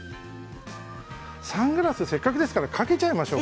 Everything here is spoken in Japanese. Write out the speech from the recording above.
サングラスせっかくですからかけちゃいましょう。